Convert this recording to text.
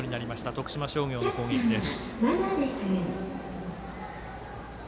徳島商業の攻撃です。